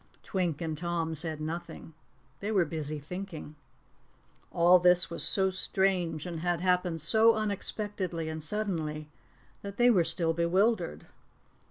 Twink and Tom said nothing. They were busy thinking. All this was so strange and had happened so unexpectedly and suddenly that they were still bewildered.